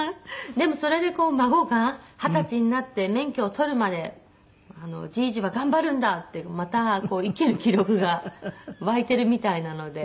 でもそれで「孫が二十歳になって免許を取るまでじーじいは頑張るんだ」ってまた生きる気力が湧いてるみたいなので。